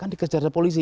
kan dikejar polisi